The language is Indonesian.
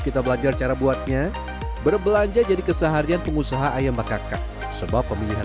kita belajar cara buatnya berbelanja jadi keseharian pengusaha ayam bakaka sebab pemilihan